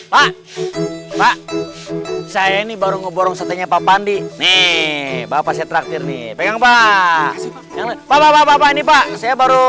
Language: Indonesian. pak pak saya ini baru ngeborong sate nya pak pandi nih bapak setrak sayang pak anda ini pak saya baru